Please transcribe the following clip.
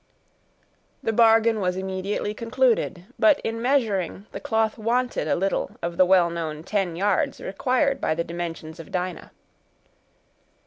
The bargain was immediately concluded; but in measuring, the cloth wanted a little of the well known ten yards required by the dimensions of Dinah.